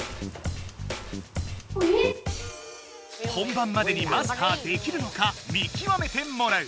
本番までにマスターできるのか見極めてもらう。